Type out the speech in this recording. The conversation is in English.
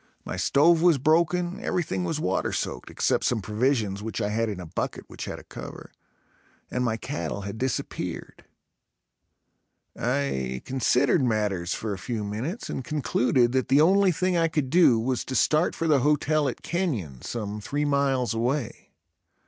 My stove was broken, everything was water soaked, except some provisions which I had in a bucket which had a cover and my cattle had disappeared. I considered matters for a few minutes and concluded that the only thing I could do was to start for the hotel at Kenyon, some three miles away.